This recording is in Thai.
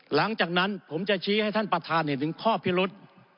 หลังจากนั้นผมจะชี้ให้ท่านประธานเห็นถึงข้อพิรุษ